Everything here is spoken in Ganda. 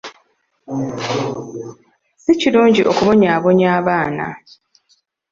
Ssi kirungi okubonyaabonya abaana.